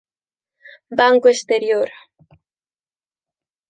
Banco Exterior